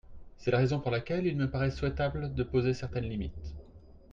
C’est la raison pour laquelle il me paraît souhaitable de poser certaines limites.